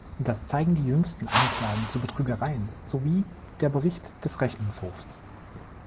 Das zeigen die jüngsten Anklagen zu Betrügereien sowie der Bericht des Rechnungshofs.